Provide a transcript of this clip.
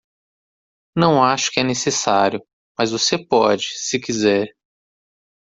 Não acho que é necessário, mas você pode, se quiser.